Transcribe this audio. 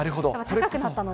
高くなったので。